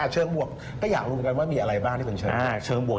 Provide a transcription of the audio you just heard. เชิงบวกก็อยากรู้เหมือนกันว่ามีอะไรบ้างที่เป็นเชิงบวก